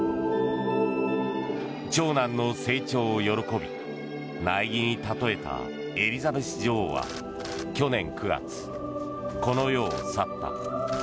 長男の成長を喜び苗木に例えたエリザベス女王は去年９月、この世を去った。